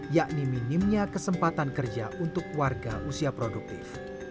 yakni minimnya kesempatan kerja untuk warga usia produktif